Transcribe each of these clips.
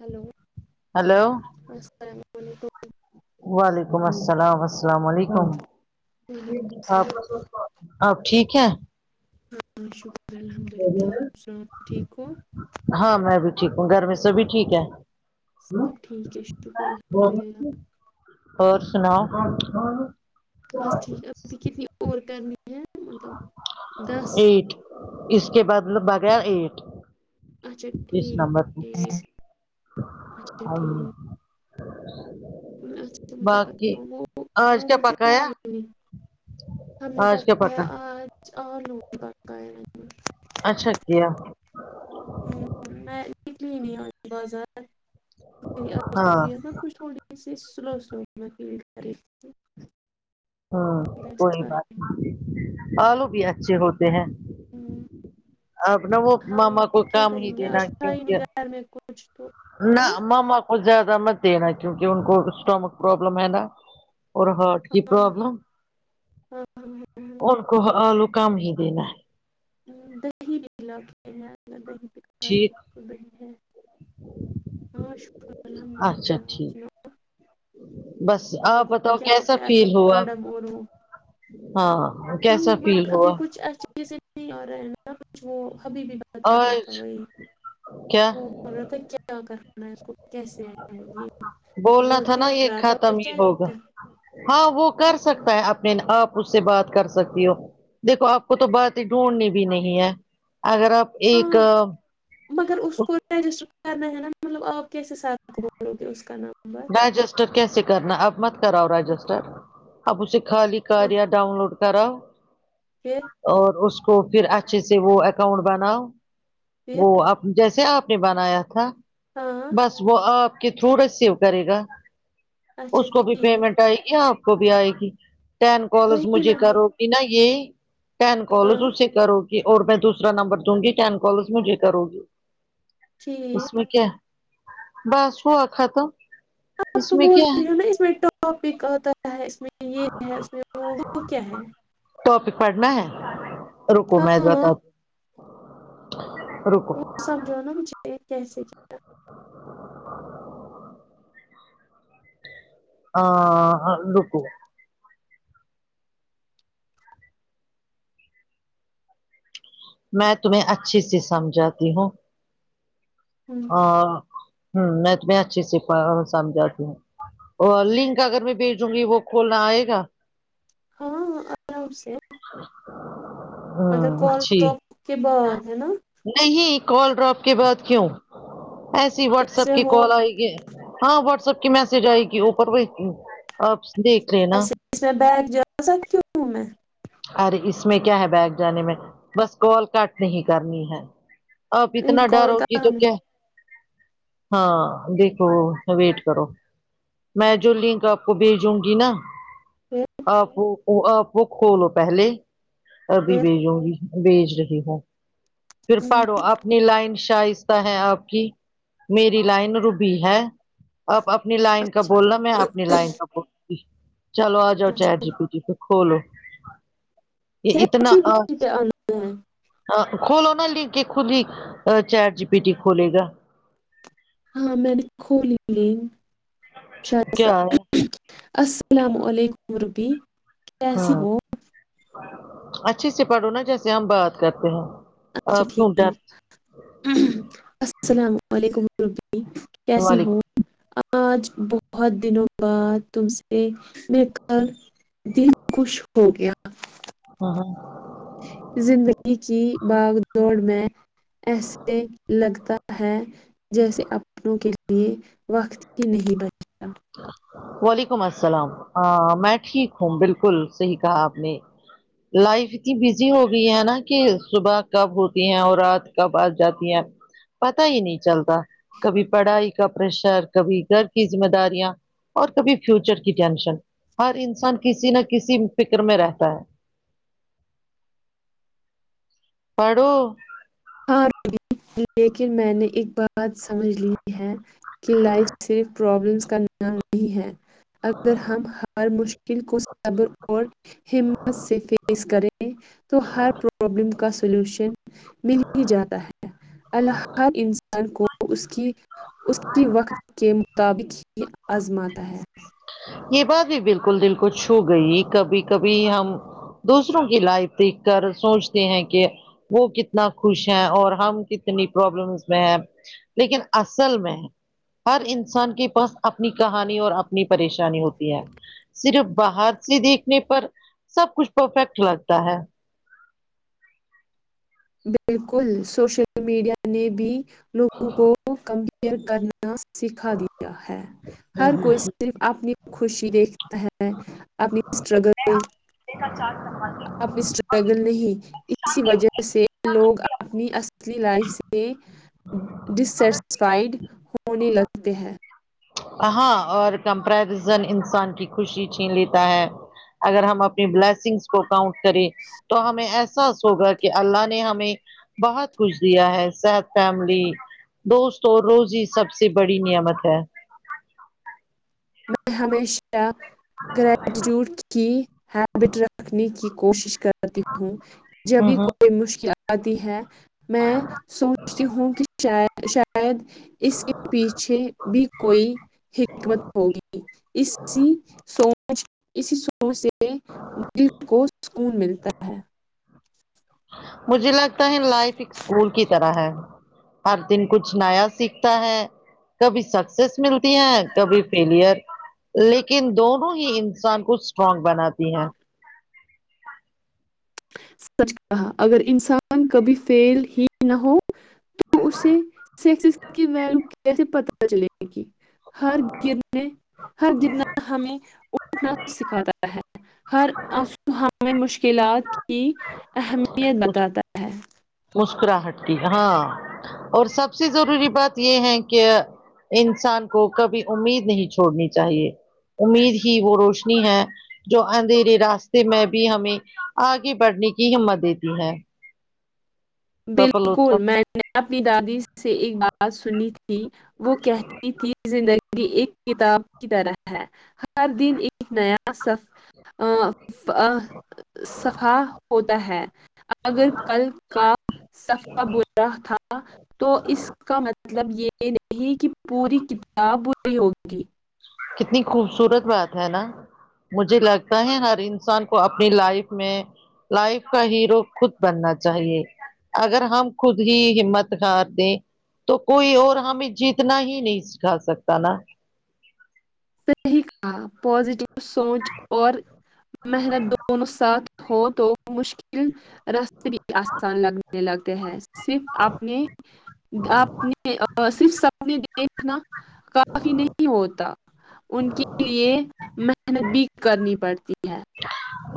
hello hello السلام علیکم وعلیکم السلام السلام وعلیکم وعلیکم آپ السلام آپ ٹھیک ہے ہاں شکر الحمد اللہ آپ سب ٹھیک ہو ہاں میں بھی ٹھیک ہوں گھر میں سبھی ٹھیک ہے سب ٹھیک ہے شکر الحمد للہ اور سناؤ بس ٹھیک اب کتنی اور کرنی ہے مطلب دس ایٹ اس کے بدلے بغیر ایٹ اچھا ٹھیک ایٹ ہم اچھا تو مجھے بتاؤ وہ وہ آج کیا مجھے آیا پکایا ہی نہیں ہم نے آج کیا پکایا پکا آج الو پکایا اچھا کیا ہمم میں نکلی نہیں آتی بازار آج ہاں طبیعت کچھ تھوڑی اسی سلو سلو [inaudible] ھاں دیٹس کوئی بات وائی نہیں آلو بھی اچھے ہوتے ہیں ہمم اب نا وہ ماما کو ہاں کیا کام کریں ہی گے دینا اچھا ہی نہیں کیونکہ گھر میں کچھ تو نہ ہاں ماما کو زیادہ مت دینا کیونکی ان کو اسٹامک پرابلم ہے نا اور ہارٹ کی ہاں پرابلم ہاں ان کو الو کم ہی دینا ہے دہی [inaudible] ٹھیک [inaudible] ہاں شکر الحمد اچھا للہ آپ سناؤ ٹھیک بس آپ لوگوں نے بتاؤ کیا کیسا پکایا اچھا فیل ہوا کاڈم اور وہ ہاں جی کیسا فیل مگر ہوا ابھی کچھ نہیں آرہا [unintelligible] نہ کچھ وہ ابھی بھی بتا رہا تھا آج وہی کیا وہ بول رہا تھا کیا کیا کرنا اس کو کیسے یے بولنا وہ تھا نا دیکھ یہ رہا تھا وہ ختم ہی چیک ہوگا کر ہاں وہ کر سکتا ہے اپنے آپ اس سے بات کر سکتی ہو دیکھو آپ کو تو باتیں ڈھونڈنی بھی نہیں ہے اگر آپ ایک ہاں مگر اس کو رجسٹر کرنا ہے نا مطلب آپ کیسے سات اس کا نمبر رجسٹر کیسے کرنا اب مت کراو رجسٹر اب اسے خالی کار پھر یا ڈاؤن لوڈ کراو پھر اور اس کو پھر اچھے سے وہ اکاؤنٹ بناؤ پھر وہ آپ جیسے آپ نے بنایا تھا ہاں بس وہ آپ کے تھری ریسیو کرے گا اچھا اس کو بھی ٹھیک پیمنٹ آئے گی آپ کو بھی آئے گی ٹین کالز وہی مجھے میں کرو گے نہ یے ٹین کول ہاں تو کرو گی اور میں دوسرا نمبر دوں گی ٹین کالز مجھے کرو گی اس ٹھیک میں کیا بس ہو آکھا تم آپ اس تو میں بول کیا ہے رہی ہو اس میں ٹاپک آتا ہے اس میں یے ہے اس میں وہ کیا ہے ٹاپیک پڑھنا ہے رکو ہاں میں بتا تی ہو رکو سمجھو نا مجھہے کیسے جا آ رکو میں تمہیں اچھی سی سمجھاتی ہوں ہوں اور ہہہ میں تو میں اچھے سے سمجھاتی ہوں اور لنک اگر میں بھیجوں گی وہ کھولنا آئے گا ہاں ہاں آرام سے ہ اچھی اس کے بعد ہےنا نہیں کال ڈراپ کے بعد کیوں ایسی اس واٹسپ میں کی ہو کال آئے گی ہاں واٹس ایپ کی میسج آئے گی اوپر وہ آپ دیکھ لے نا اچھا اس میں بیگ جا سکتی ہو میں ارے اس میں کیا ہے بیگ جانے میں بس کال کٹ نہیں کرنی ہے آپ اتنا ڈر کال وگی کہاں تو میں کے ہاں دیکھو ویٹ کرو میں جو لنک آپ کو بھیجوں گی نا پھر آپ آپ وہ کھو لو پہلے ابھی پھر بیجوں گی بییچ رہی ہو پھر ہوں پرڑو اب اپنی لائن شائستہ ہے آپ کی میری لائن روبی ہے آپ اپنی لائن کا اچھا بول نا میں اپنی لائن کا بولوگی چلو آ جاؤ چپیٹ اچھا جی پی ٹی پے کھولو یے چیٹ اتنا جی پی ٹی آسا پہ آنا ہے آ کھولو نہ لنک یے خود ہی چیٹ جی پی ٹی کھولے گا ہاں میں نے کھولی لنک شستہ کیا ہے السلام علیکم ربی ہاں اچھے سے پڑھو نا جیسے ہم بات کرتے ہیں اچھا آپ کیوں ڈر ٹھیک السلام علیکم ربی کیسی ہو وعلیکم آج بہت دنوں بعد تم سے میں بات دل خوش ہو گیا [unintelligible] زندگی کی باگ دوڑ میں ایسے لگتا ہے جیسے اپنوں کے یے وقت کی نہیں بل وعلیکم السلام آ میں ٹھیک ہوں بالکل صحیح کہا آپ نے لائف اتنی بزی ہو گئی ہے نا کہ صبح کب ہوتی ہے اور رات کب آ جاتی ہے پتا ہی نہیں چلتا کبھی پڑھائی کا پریشر کبھی گر کی ذمہ داری اور کبھی فیوچر کی ٹینشن ہر انسان کسی نہ کسی فکر میں رہتا ہے پڑھو ہاں لیکن میں نے ایک بات سمجھ لی ہے کہ لائف صرف پرابلمز کا نام نہیں ہے اگر ہم ہر مشکل کو صبر اور ہمت سے فیس کریں تو ہر پرابلم کا سلوشن جاتا ہے اللہ ہر انسان کو اس کی اس کی وقت کے مطابق ہی آزماتا ہے یہ بات بھی بالکل دل کو چھو گئی کبھی کبھی ہم دوسروں کی لائف دیکھ کر سوچتے ہیں کہ وہ کتنا خوش ہیں اور ہم کتنی پرابلمز اس میں ہے لیکن اصل میں ہر انسان کے پاس اپنی کہانی اور اپ اپنی پریشانی ہوتی ہے صرف باہر سے دیکھنے پر سب کچھ پرفیکٹ لگتا ہے بالکل سوشل میڈیا نے بھی لوگوں کو کم کرنا سکھا دیا ہے ہر کوئی صرف اپنی خوشی دیکھ ہے اپنی اسٹرگل اپنیٹر اسٹرگل نہیں اسی وجہ سے لوگ اپنی اصلی لائف سے ڈس سٹسفائیڈ ہونے لگتے ہیں ہاں اور کمپیریزن انسان کی خوشی چھین لیتا ہے اگر ہم اپنی بلیسنگز کو کاؤنٹ کریں تو ہمیں احساس ہوگا کہ اللہ نے ہمیں بہت کچھ دیا ہے سحت فیملی دوست اور روزی سب سے بڑی نعمت ہے میں ہمیشہ گریجٹیوٹ کی ہیبٹ رکھنے کی کوشش کر ہوں ہوں جبھی ہوں کوئی مشکل آتی ہے میں سوچتی ہوں کہ شاید اس کے پیچھے بھی کوئی حکمت ہوگی اسی سوچ اسی شو سے دل کو سکون ملتا ہے مجھے لگتا ہے لائف ایک اسکول کی طرح ہے ہر دن کچھ نیا سیکھتا ہے کبھی سکسیس ملتی ہیں کبھی فیلئر لیکن دونوں ہی انسان کو اسٹرونگ بناتی ہیں سچ کہا اگر انسان کبھی فیل ہی نہ ہو تو اسے سا کی ویلیو کیسے پتا چلے گی ہر گرنے ہر گرنا ہمیں اٹھنا سکھاتا ہے ہر ہمیں مشکلات کی اہمیت بتاتا ہے مسکراہٹ کی ہاں اور سب سے ضروری بات یہ ہے کہ انسان کو کبھی امید نہیں چھوڑنی چاہیے امید ہی وہ روشنی ہے جو اندھیرے راستے میں بھی ہمیں آگے بڑھنے کی ہمت دیتی ہے پپلوتھا بالکل میں نے اپنی دادی سے ایک بات سنی تھی وہ کہتی تھی زندگی ایک کتاب کی طرح ہے ہر دن ایک نیا سف آ آ صفا ہوتا ہے اگر کل کا صف کا برا تھا تو اس کا مطلب مطلب یہ نہیں کہ پوری کتابری ہوگی کتنی خوبصورت بات ہے نا مجھے لگتا ہے ہر انسان کو اپنی لائف میں لائف کا ہیرو خود بننا چاہیے اگر ہم خود ہی ہمت کار دیں تو کوئی اور ہمیں جیتنا ہی نہیں سکھا سکتا نا صحیح کا پازیٹیو سوچ اور محنت دونوں ساتھ ہو تو مشکل رس آسان لگنے لگتے ہیں صرف اپنے آپ نے صرف سب دیکھنا کافی نہیں ہوتا ان کے لیے میں محنت بھی کرنی پڑتی ہے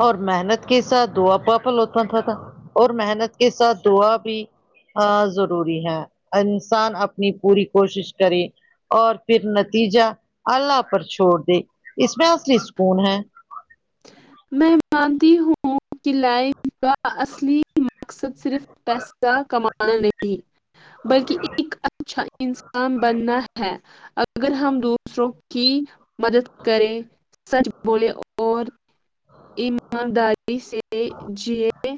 اور محنت کے ساتھ دا پاپلوتا تھا تھا اور محنت کے ساتھ دعا بھی ضروری ہے انسان اپنی پوری کوشش کرے اور پھر نتیجہ اللہ پر چھوڑ دے اس میں اصلی سکون ہے میں مانتی ہوں کہ لائف کا اصلی اس کا مقصد صرف پیسہ کمانا نہیں بلکہ ایک اچھا انسان بننا ہے اگر ہم دوسروں کی مدد کرے سچ بولے اور ایمانداری سے جیے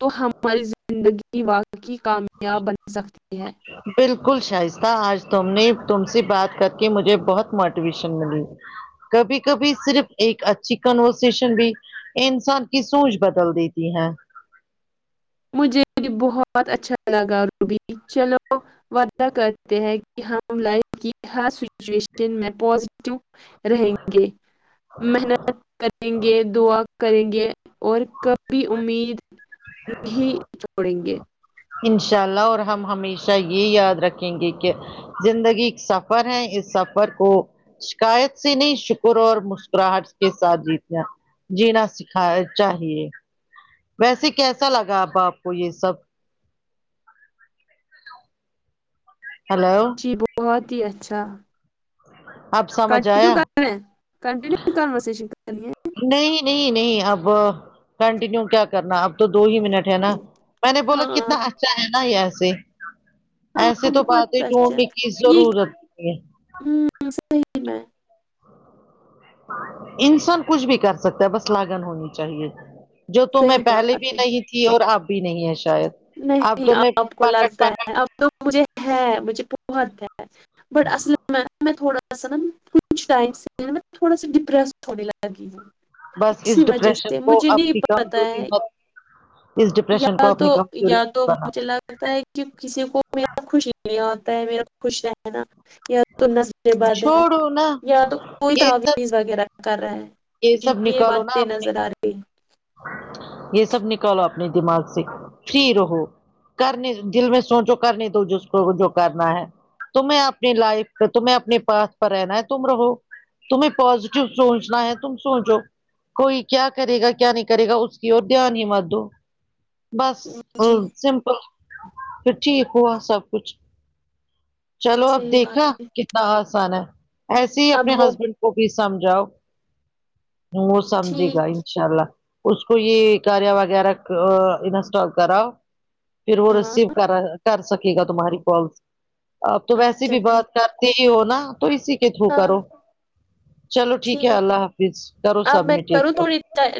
تو ہماری زندگی گی واقعی کامیاب بن سکتی ہے بالکل شائستہ آج تم نے تم سے بات کر کے مجھے بہت موٹیویشن ملی کبھی کبھی صرف ایک اچھی کنورسیشن بھی انسان کی سونچ بدل دیتی ہے مجھے بہت اچھا لگا روبی چلو ودہ کرتے ہیں ہم لائف کی ہر سچویشن میں پاز کیوں رہیں گے محنت کریں گے دعا کریں گے اور کبھی امید نہیں چھوڑیں گے ان شاء اللہ اور ہم ہمیشہ یہ یاد رکھیں گے کہ زندگی سفر ہے اس سفر کو شکایت سے نہیں شکر اور مسکراہٹ کے ساتھ جیتنا ج نہا سیکھائے چاہیے ویسے کیسا لگا اب آپ کو یہ سب ہلو ا جی بہت ہی اچھا اب سمجھ آیا کنینیو کنٹینیو کرنی ہے نہیں نہیں نہیں اب کنٹینیو کیا کرنا اب تو دو ہی منٹ ہے نا میں نے بولا ہاں کتنا اچھا ہے نا یہے ایسیے ہاں تو بات بہت ہی اچھا ڈھونڈنے کی یہ ضرورت ہے ہوں صحیح میں انسان کچھ بھی کر سکتا ہے بس لاگن ہونی چاہیے جو تمیں صحیح پہلے بھی بات ہے نہیں تھی اور اب بھی نہیں ہے شاید اب نہیں تو میں آپ کو پکٹ لگتا پکٹ ہے اب تو مجھے ہے مجھے بہت ہے بٹ اصل میں تھوڑا سا نا کچھ ٹائم تھوڑا سا ڈپریس ہونے لگی ہوں بس اسی اس وجہ ڈپریشن سے کو مجھے نہیں اپنی پتا کمزوری ہے مت اس ڈپریشن کو یا اپنی تو کمزوری یا تو مت بنا مجھے لگتا ہے کہ کسی کو م خوشی لیے آتا ہے میرا خوش رہناا یا تو نظریں بند ہے چھوڑو نا یا تو کوئی یہ سب تحویز وغیرہ کر رہا ہیں سب کیکہ یہ نکالو نا باتیں اپنی نظر آ رہی ہیں یہ سب نکالو اپنے دماغ سے فری رہو کرنے دل میں سوچو کرنے دو جو اس کو جو کرنا ہے تمہیں اپنی لائف تمہیں اپنی پاس پر رہنا ہے تم رہو تمہیں پازیٹیو سوچنا ہے تم سوچو کوئی کیا کرے گا کیا نہیں کرے گا اس کی اور دھیان ہی مت دو بس جی سمپل پھر ٹھیک ہوا سب کچھ چلو اب صحیح دیکھا بات ہے آسن ہے ایسے ہی اب اپنے ہو ہسبینڈ کو بھی سمجھاؤ وہ سمجھے ٹھیک گا انشاء اللہ اس کو یہ کریا وغیرہ انسٹال کراؤ پھر وہ ہاں ریسیو کرا کر سکے گا تمہاری کال آپ تو ویسی اچھا بھی ٹھیک بات کرتے ہی ہو نا تو اسی تھرو ہاں کرو چلو ٹھیک ہے اللہ حافظ کرو سبمٹ ایک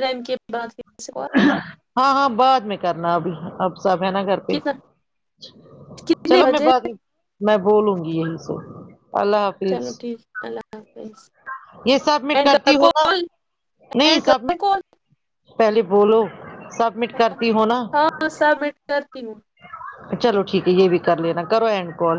رن کے بعد پھر سے کال ہاں ہاں بعد میں کرنا ابھی اب سب ہے نا کر کتنا کتنے چلو میں بجے بات میں بولوں گی یہی سو اللہ حافظ چلو ٹھیک اللہ حافظ یہ سبمٹ اینڈ کرتی کر ہو نا کال نہیں اینڈ کروں سبمٹ کال پہلے بولو سب ہاں سبمٹ کرتی ہوں چلو ٹھیک ہے یہ بھی کر لینا کرو اینڈ کال